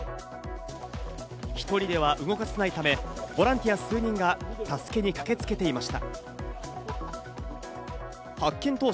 １人では動かせないため、ボランティア数人が助けに駆けつけていました。